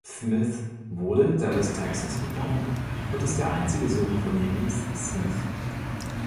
Smith wurde in Dallas, Texas, geboren und ist der einzige Sohn von Eunice Smith.